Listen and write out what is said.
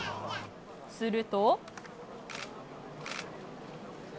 すると。